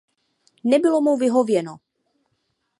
Nebylo mu vyhověno.